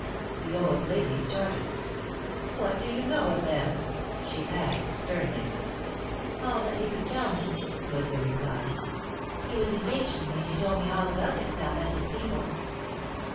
The old lady started. "What do you know of them?" she asked, sternly. "All that he could tell me," was the reply. "He was engaged to me, and he told me all about himself and his people."